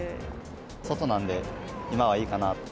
外なんで、今はいいかなと。